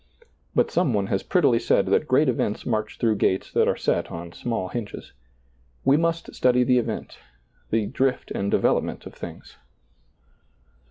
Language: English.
But some one has prettily said that great events march through soiizccb, Google 46 SEEING DARKLY gates that are set on small hinges. We must study the event, the drift and development of things.